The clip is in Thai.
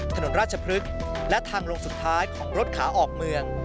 ถนนราชพฤกษ์และทางลงสุดท้ายของรถขาออกเมือง